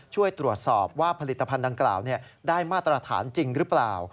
ช่วยตรวจสอบว่าผลิตภัณฑ์ดังกล่าวได้มาตรฐานจริงหรือเปล่า